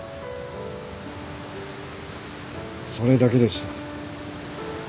それだけでした。